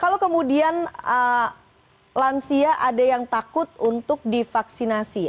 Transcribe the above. kalau kemudian lansia ada yang takut untuk divaksinasi